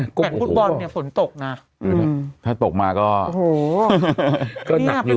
แสดงหมูสบอลเนี้ยฝนตกน่ะอืมถ้าตกมาก็อืม